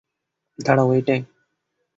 দাঁড়াও, এটাই।